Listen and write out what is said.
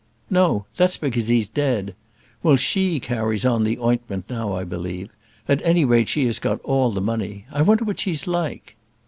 "No; that's because he's dead. Well, she carries on the ointment now, I believe; at any rate, she has got all the money. I wonder what she's like."